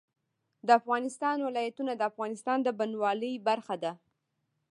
د افغانستان ولايتونه د افغانستان د بڼوالۍ برخه ده.